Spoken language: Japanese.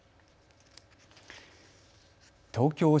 東京